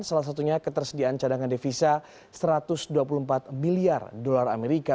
salah satunya ketersediaan cadangan devisa satu ratus dua puluh empat miliar dolar amerika